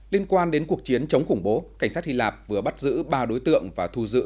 liên quan đến cuộc chiến chống khủng bố cảnh sát hy lạp vừa bắt giữ ba đối tượng và thu giữ